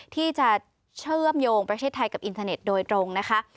ที่จะเชื่อมโยงประเทศไทยกับอินเทอร์เน็ตโดยตรงนะคะ